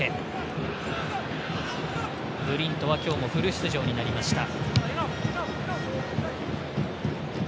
ブリントは今日もフル出場となりました。